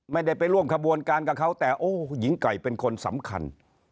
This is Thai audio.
ไม่ได้ไปร่วมขบวนการกับเขาแต่โอ้หญิงไก่เป็นคนสำคัญ